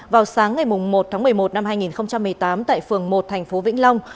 vào sáng ngày một tháng một mươi một năm hai nghìn một mươi tám tại phường một thành phố vĩnh long